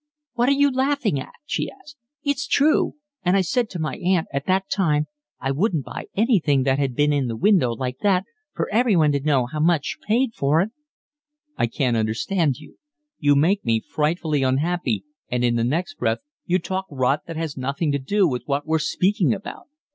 "What are you laughing at?" she asked. "It's true. And I said to my aunt at the time, I wouldn't buy anything that had been in the window like that, for everyone to know how much you paid for it." "I can't understand you. You make me frightfully unhappy, and in the next breath you talk rot that has nothing to do with what we're speaking about."